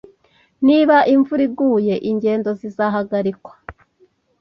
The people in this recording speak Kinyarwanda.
Niba imvura iguye, ingendo zizahagarikwa